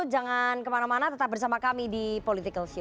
jangan kemana mana tetap bersama kami di politikalsio